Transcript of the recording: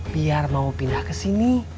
biar mau pindah ke sini